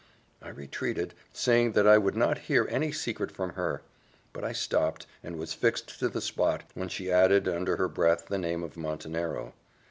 I retreated, saying that I would not hear any secret from her. But I stopped, and was fixed to the spot, when she added, under her breath, the name of Montenero.